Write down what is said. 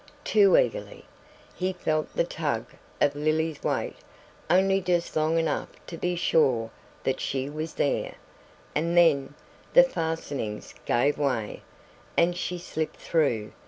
too eagerly. He felt the tug of Lily's weight only just long enough to be sure that she was there, and then the fastenings gave way, and she slipped through!